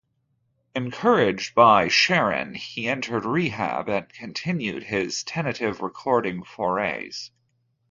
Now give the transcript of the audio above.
Encouraged by Cheren, he entered rehab and continued his tentative recording forays.